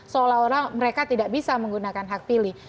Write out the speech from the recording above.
seolah olah mereka tidak bisa menggunakan hak pilih